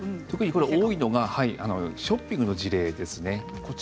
多いのがショッピングの事例ですね。